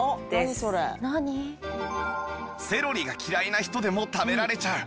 セロリが嫌いな人でも食べられちゃう